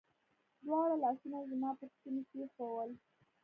دواړه لاسونه يې زما پر ستوني کښېښوول.